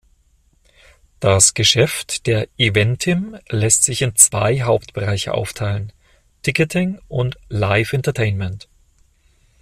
Das Geschäft der Eventim lässt sich in zwei Hauptbereiche aufteilen: "Ticketing" und "Live-Entertainment".